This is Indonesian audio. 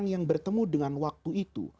yang bertemu dengan waktu itu